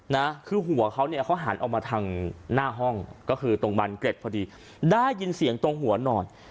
นะคือหัวเขาเนี่ยเขาหันออกมาทางหน้าห้องก็คือตรงบันเกร็ดพอดีได้ยินเสียงตรงหัวนอน